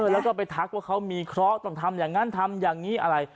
แล้วก็ไปทักว่าเขามีเคราะห์ต้องทำอย่างนั้นทำอย่างนี้อะไร